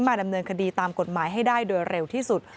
ดำเนินคดีตามกฎหมายให้ได้โดยเร็วที่สุด